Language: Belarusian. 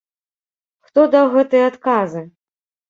Хто даў гэтыя адказы?